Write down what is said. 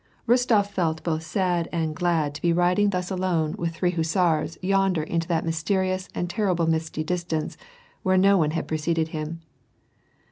Rostof felt both sad and glad to be riding 326 WAR AND PEACE. thus alone with three hussars yonder into that mysterious and terrible misty distance where no one had preceded him.